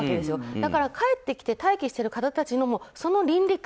だから帰ってきて待機してる方たちのその倫理観